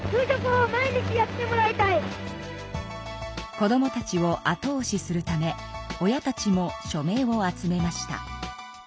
子どもたちを後おしするため親たちも署名を集めました。